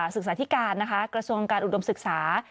ศึกษาธิการนะคะกระทรวงการอุดมศึกษา